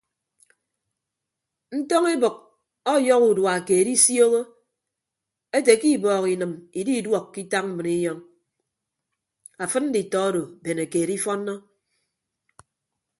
Ntọñ ebʌk ọyọhọ udua keed isioho ete ke ibọọk inịm ididuọk ke itak mbrinyọñ afịd nditọ odo bene keed ifọnnọ.